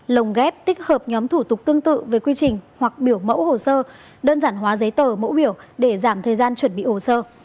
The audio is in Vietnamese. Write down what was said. lồng ghép tích hợp nhóm thủ tục tương tự về quy trình hoặc biểu mẫu hồ sơ đơn giản hóa giấy tờ mẫu biểu để giảm thời gian chuẩn bị hồ sơ